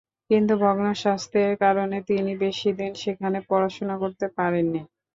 কিন্তু ভগ্ন স্বাস্থ্যের কারণে তিনি বেশি দিন সেখানে পড়াশুনা করতে পারেননি।